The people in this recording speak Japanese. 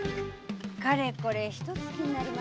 かれこれ一月になりますかね